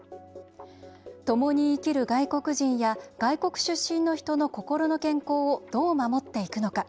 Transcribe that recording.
ともに生きる外国人や外国出身の人の心の健康をどう守っていくのか。